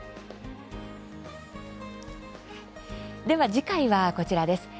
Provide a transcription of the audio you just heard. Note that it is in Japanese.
では次回はこちらです。